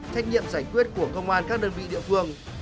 trách nhiệm giải quyết của công an các đơn vị địa phương